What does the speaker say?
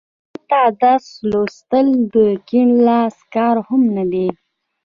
احمد ته درس لوستل د کیڼ لاس کار هم نه دی.